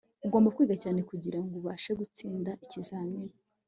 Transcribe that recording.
ugomba kwiga cyane kugirango ubashe gutsinda ikizamini